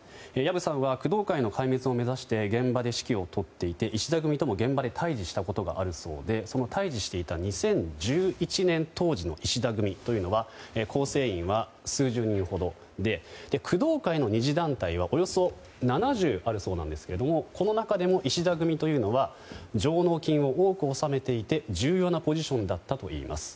藪さんは工藤会の壊滅を目指して現場で指揮を執っていて石田組とも現場で対峙したことがあるそうでその対峙していた２０１１年当時石田組というのは構成員は数十人ほどで工藤会の２次団体はおよそ７０あるそうですがこの中でも石田組というのは上納金を多く収めていて重要なポジションだったといいます。